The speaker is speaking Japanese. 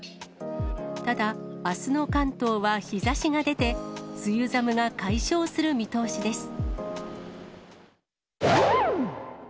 ただ、あすの関東は日ざしが出て、梅雨寒が解消する見通しです。